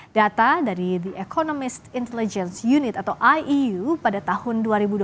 data dari the economist intelligence unit atau iu pada tahun dua ribu dua puluh